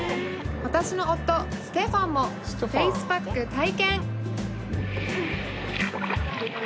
私の夫ステファンもフェースパック体験。